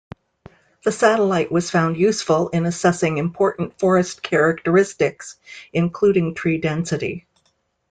The satellite was found useful in assessing important forest characteristics, including tree density.